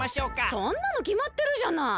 そんなのきまってるじゃない。